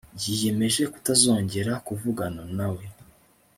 Yiyemeje kutazongera kuvugana nawe